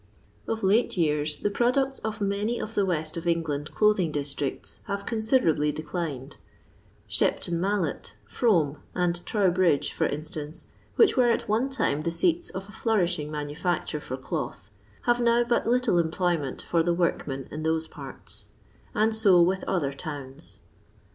Of lata years the products of many of the west of EDgknd clothini; districts have considerably dedin^ Shepton Mallet, Fromeand Trowbridge, for instance, which were at one time the seats of a flourishing nianu&cture for cloth, have now but little employment for the workmen in those parts; and so with other towns.